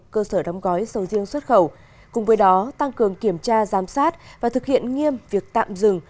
cơ sở đóng gói sầu riêng xuất khẩu cùng với đó tăng cường kiểm tra giám sát và thực hiện nghiêm việc tạm dừng